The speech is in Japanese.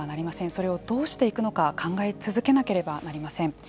それをどうしていくのか考え続けなければなりません。